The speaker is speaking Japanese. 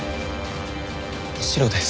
白です。